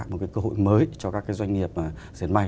một cái cơ hội mới cho các cái doanh nghiệp diệt may